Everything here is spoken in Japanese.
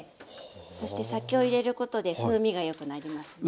そして酒を入れることで風味がよくなりますね。